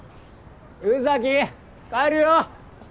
宇崎帰るよ！